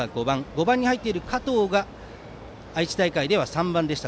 ５番に入っている加藤が愛知大会では３番でした。